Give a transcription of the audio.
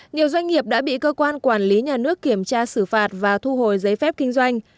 nhiều doanh nghiệp đã bị cơ quan quản lý nhà nước kiểm tra xử phạt và thu hồi giấy phép kinh doanh